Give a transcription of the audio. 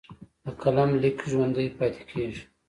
د قلم لیک ژوندی پاتې کېږي.